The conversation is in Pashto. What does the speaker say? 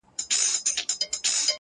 زه چي په هره چهارشنبه يو ځوان لحد ته~